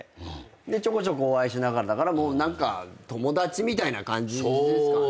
でちょこちょこお会いしながらだから何か友達みたいな感じですかね？